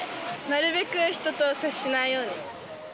なるべく人と接しないように。